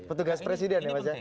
petugas presiden ya mas